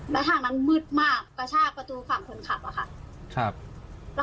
แล้วทางนั้นมืดมากกระชากประตูฝั่งคนขับอะค่ะ